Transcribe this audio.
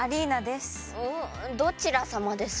どちらさまですか？